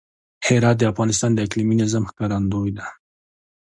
هرات د افغانستان د اقلیمي نظام ښکارندوی ده.